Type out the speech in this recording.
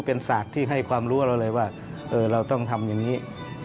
เป็นศาสตร์ที่ให้ความรู้เราเลยว่าเราต้องทำอย่างนี้